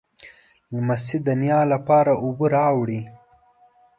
لمسی د نیا لپاره اوبه راوړي.